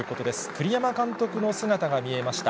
栗山監督の姿が見えました。